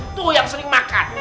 itu yang sering makan